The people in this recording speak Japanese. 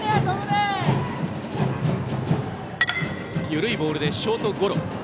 緩いボールでショートゴロ。